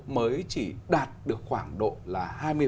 mới chỉ đạt được khoảng độ là hai mươi